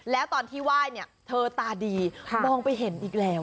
แล้วตอนที่ไหว้เนี่ยเธอตาดีมองไปเห็นอีกแล้ว